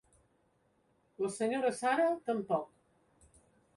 La Sra. Sarah tampoc.